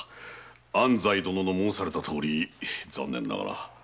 安西殿の申されたとおり残念ながら。